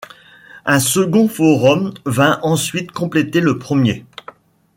Un second forum vint ensuite compléter le premier.